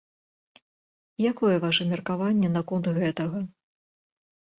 Якое ваша меркаванне наконт гэтага?